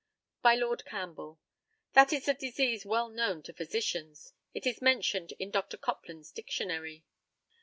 By Lord CAMPBELL. That is a disease well known to physicians. It is mentioned in Dr. Copland's Dictionary.